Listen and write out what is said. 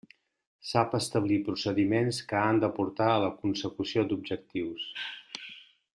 Sap establir procediments que han de portar a la consecució d'objectius.